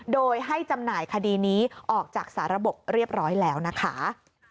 โดยให้จำหน่ายคดีนี้ออกจากสารบกเรียบร้อยแล้วนะคะ